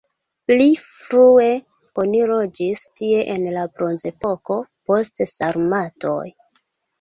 Pli frue oni loĝis tie en la bronzepoko, poste sarmatoj.